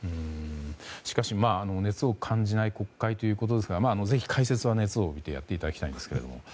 しかし熱を感じない国会ということですがぜひ解説は熱を帯びてやっていただきたいんですが。